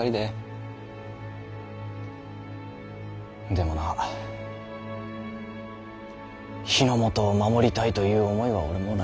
でもまあ日の本を守りたいという思いは俺も同じだ。